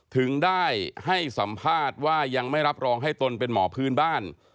ถึงได้ให้สัมภาษณ์ว่ายังไม่รับรองให้ตนเป็นหมอพื้นบ้าน